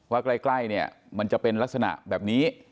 ใกล้เนี่ยมันจะเป็นลักษณะแบบนี้